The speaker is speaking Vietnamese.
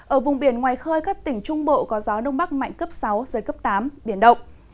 ở vùng biển ngoài khơi các tỉnh trung bộ có gió đông bắc mạnh cấp sáu giới cấp tám biển động